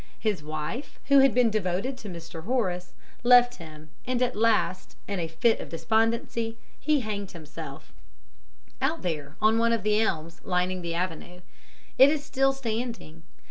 His wife, who had been devoted to Mr. Horace, left him, and at last, in a fit of despondency, he hanged himself out there, on one of the elms lining the avenue. It is still standing.